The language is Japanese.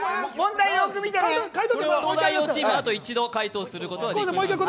東大王チーム、あと一度解答することができます。